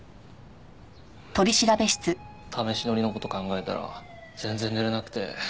試し乗りの事考えたら全然寝れなくて。